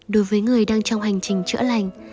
đối với người đang trong hành trình chữa lành